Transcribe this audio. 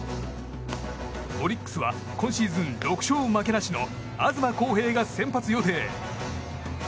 オリックスは今シーズン６勝負けなしの東晃平が先発予定。